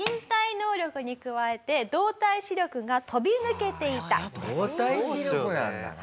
動体視力なんだな。